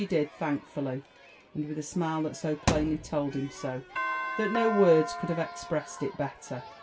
did thankfully, and with a smile that so plainly told him so, that no words could have expressed it better.